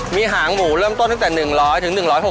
มีหางหมูเริ่มต้นตั้งแต่๑๐๐๑๖๐